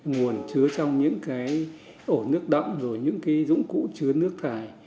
nguồn chứa trong những cái ổ nước đậm rồi những cái dũng cụ chứa nước thải